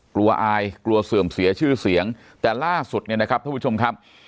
อายกลัวเสื่อมเสียชื่อเสียงแต่ล่าสุดเนี่ยนะครับท่านผู้ชมครับ